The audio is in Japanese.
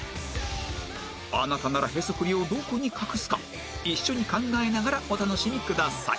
あなたならへそくりをどこに隠すか一緒に考えながらお楽しみください